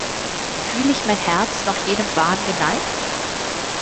Fühl ich mein Herz noch jenem Wahn geneigt?